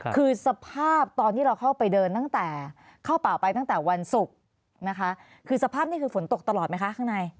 คือสภาพตอนที่เราเข้าไปเดินตั้งแต่เข้าป่าไปตั้งแต่วันศุกร์นะคะคือสภาพนี้คือฝนตกตลอดไหมคะข้างใน